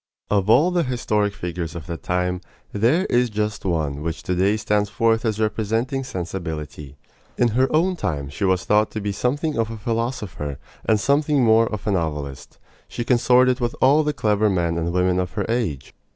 Of all the historic figures of that time, there is just one which to day stands forth as representing sensibility. In her own time she was thought to be something of a philosopher, and something more of a novelist. She consorted with all the clever men and women of her age.